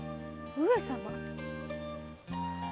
上様⁉